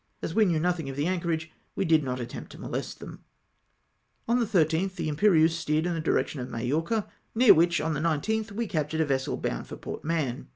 As we knew nothing of the anchorage we did not attempt to molest them. On the 13tli the Imperieuse steered in the direction of Majorca, near which, on the 19th, Ave captm ed a vessel bound to Port Mahon.